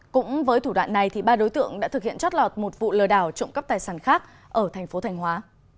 cũng với thủ đoạn này ba đối tượng đã thực hiện chót lọt một vụ lừa đảo trộm cắp tài sản khác ở tp thanh hóa